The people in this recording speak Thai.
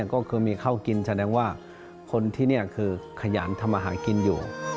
ก็คือมีข้าวกินแสดงว่าคนที่นี่คือขยันทำอาหารกินอยู่